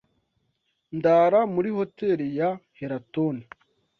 Ndara muri Hotel ya heraton.